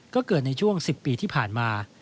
ก็เกิดในช่วง๑๐ปีที่ผ่านมา